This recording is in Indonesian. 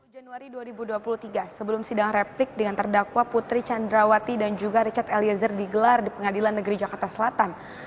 dua puluh januari dua ribu dua puluh tiga sebelum sidang replik dengan terdakwa putri candrawati dan juga richard eliezer digelar di pengadilan negeri jakarta selatan